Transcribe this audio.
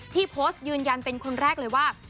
ที่โพสต์ยืนยันเป็นคนแรกเลยว่า